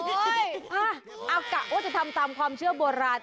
ใช่เอากะว่าจะทำตามความเชื่อโบราณ